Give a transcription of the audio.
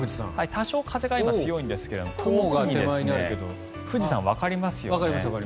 多少風が今強いんですが富士山、わかりますよね。